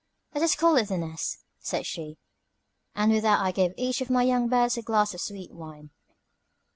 "Let us call it The Nest," said she; and with that I gave each of my young birds a glass of sweet wine.